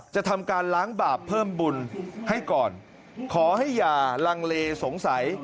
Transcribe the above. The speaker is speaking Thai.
ทำการล้างบาปเพิ่มบุญให้ก่อนขอให้อย่าลังเลสงสัย